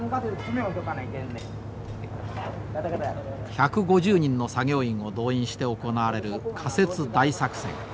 １５０人の作業員を動員して行われる架設大作戦。